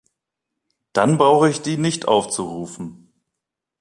Dann brauche ich die nicht aufzurufen.